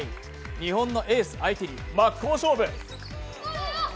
日本のエース相手に真っ向勝負。